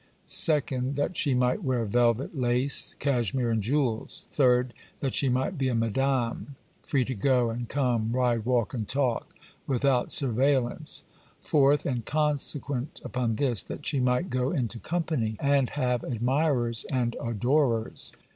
Second, that she might wear velvet, lace, cashmere, and jewels. Third, that she might be a madame, free to go and come, ride, walk, and talk, without surveillance. Fourth, and consequent upon this, that she might go into company, and have admirers and adorers.